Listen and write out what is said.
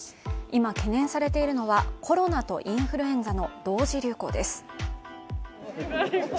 今、懸念されているのが、コロナとインフルエンザの同時流行です。